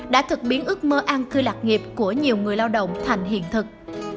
đã thực biến ước mơ an cư lạc nghiệp của nhiều người lao động thành hiện thực